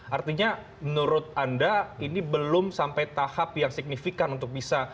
artinya menurut anda ini belum sampai tahap yang signifikan untuk bisa